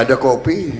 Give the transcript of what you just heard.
tidak ada kopi